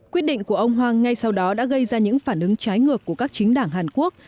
quyết định của ông hoàng ngay sau đó đã gây ra những phản ứng trái ngược của các chính đảng hàn quốc